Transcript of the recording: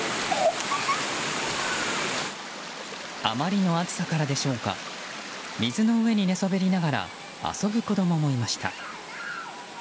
あまりの暑さからでしょうか水の上に寝そべりながら遊ぶ子供もいました。